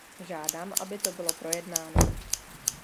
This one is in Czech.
Žádám, aby to bylo projednáno.